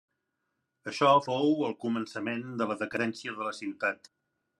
Això fou el començament de la decadència de la ciutat.